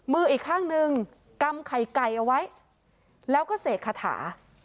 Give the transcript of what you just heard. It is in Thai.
มืออีกข้างหนึ่งกำไข่ไก่เอาไว้แล้วก็เสกคาถา